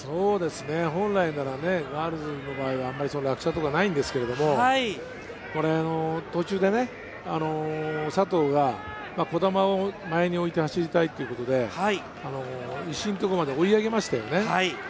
本来ならガールズの場合は落車とかないんですけども、途中で佐藤が児玉を前に置いて走りたいということで、石井のところまで追い上げましたよね。